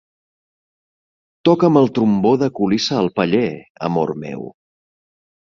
Toca'm el trombó de colissa al paller, amor meu.